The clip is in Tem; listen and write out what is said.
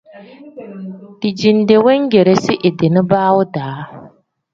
Dijinde weegeresi idi nibaawu-daa.